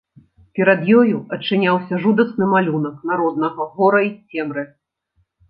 Перад ёю адчыняўся жудасны малюнак народнага гора й цемры.